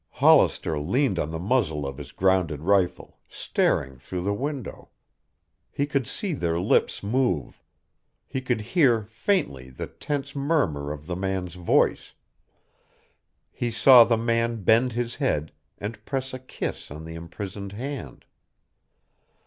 Hollister leaned on the muzzle of his grounded rifle, staring through the window. He could see their lips move. He could hear faintly the tense murmur of the man's voice. He saw the man bend his head and press a kiss on the imprisoned hand.